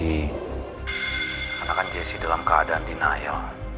ia akan jahat dalam keadaan denial